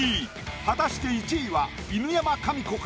果たして１位は犬山紙子か？